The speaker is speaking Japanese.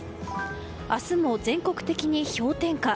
明日も全国的に氷点下。